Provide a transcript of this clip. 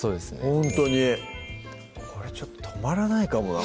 ほんとにこれちょっと止まらないかもな